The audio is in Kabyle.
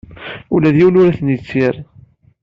Ula d yiwen ur ten-yettir.